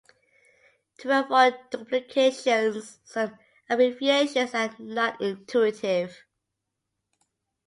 To avoid duplications, some abbreviations are not intuitive.